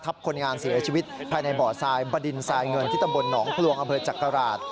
ทับคนงานเสียชีวิตภายในบ่อทรายบดินทรายเงินที่ตะบลหนองพระรวงอเบิร์ตจักราศ